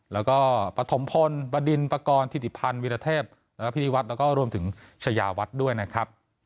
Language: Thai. แล้วก็ประถมพลบดินประกรทิสิชาผันวิรเทพเพธีวัตน์แล้วก็รวมถึงชายาวัตต์ด้วยนะครับ